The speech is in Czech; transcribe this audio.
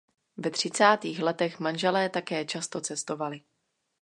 Ve třicátých letech manželé také často cestovali.